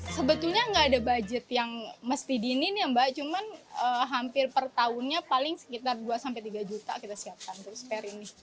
sebetulnya nggak ada budget yang mesti dinin ya mbak cuman hampir per tahunnya paling sekitar dua tiga juta kita siapkan untuk sparing